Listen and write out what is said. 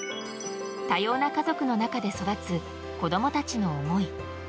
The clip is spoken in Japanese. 多様な家族の中で育つ子供たちの思い。